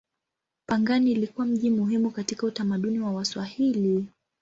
Pangani ilikuwa mji muhimu katika utamaduni wa Waswahili.